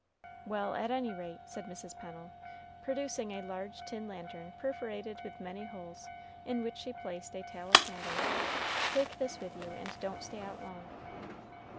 "Well, at any rate," said Mrs. Pennel, producing a large tin lantern perforated with many holes, in which she placed a tallow candle, "take this with you, and don't stay out long."